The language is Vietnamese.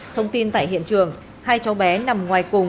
thông tin tại hiện trường hai cháu bé nằm ngoài cùng